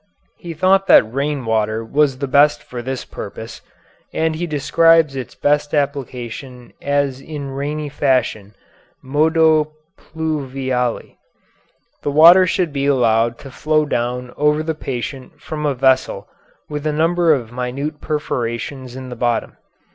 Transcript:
He thought that rain water was the best for this purpose, and he describes its best application as in rainy fashion, modo pluviali. The water should be allowed to flow down over the patient from a vessel with a number of minute perforations in the bottom.